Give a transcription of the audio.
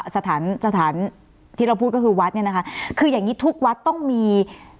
สถานที่ที่เราพูดก็คือวัดเนี่ยนะคะคืออย่างงี้ทุกวัดต้องมี